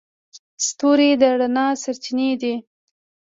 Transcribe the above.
ستوري د رڼا سرچینې دي.